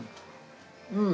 うん。